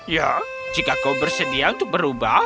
ya jika kau bersedia untuk berubah